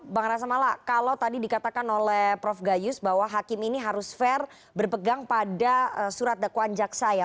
bang rasa mala kalau tadi dikatakan oleh prof gayus bahwa hakim ini harus fair berpegang pada surat dakwaan jaksa ya